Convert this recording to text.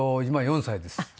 今４歳です。